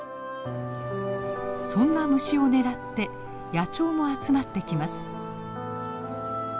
そんな虫を狙って野鳥も集まってきます。